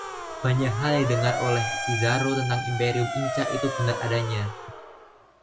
Banyak hal yang didengar oleh Pizzaro tentang imperium Inca itu benar adanya.